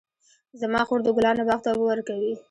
زما خور د ګلانو باغ ته اوبه ورکوي.